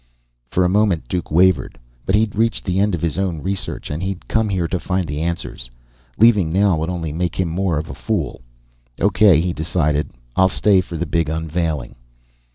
For a moment, Duke wavered. But he'd reached the end of his own research, and he'd come here to find the answers. Leaving now would only make him more of a fool. "O.K.," he decided. "I'll stay for the big unveiling."